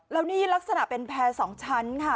แล้วนี่ลักษณะเป็นแพร่๒ชั้นค่ะ